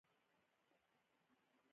څنګه کولی شم د بیتکوین تجارت وکړم